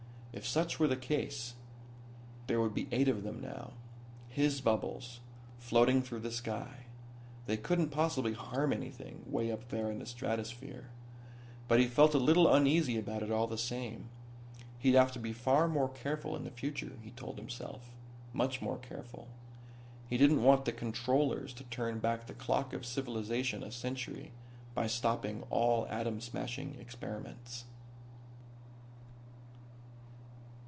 If such were the case there would be eight of them now. His bubbles, floating through the sky. They couldn't possibly harm anything way up there in the stratosphere. But he felt a little uneasy about it all the same. He'd have to be more careful in the future, he told himself. Much more careful. He didn't want the Controllers to turn back the clock of civilization a century by stopping all atom smashing experiments.